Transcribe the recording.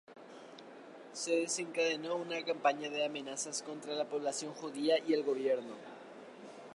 Se desencadenó una campaña de amenazas contra la población judía y el Gobierno.